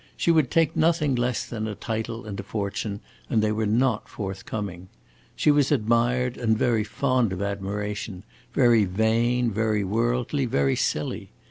She would take nothing less than a title and a fortune, and they were not forthcoming. She was admired and very fond of admiration; very vain, very worldly, very silly.